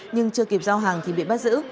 nhưng chưa kịp giao hàng thì bị bắt giữ